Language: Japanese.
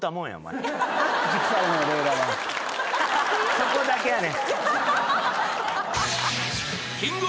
そこだけやねん。